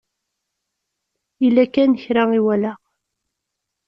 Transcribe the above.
Yella kan kra i walaɣ.